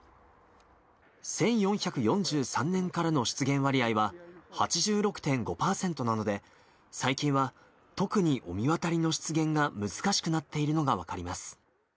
１４４３年からの出現割合は８６．５％なので、最近は特に御神渡りの出現が難しくなっているのが分かります。